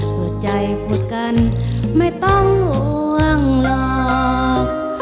พูดใจพูดกันไม่ต้องล่วงหรอก